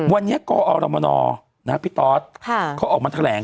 วันนี้กอรมนพี่ตอสเขาออกมาแถลง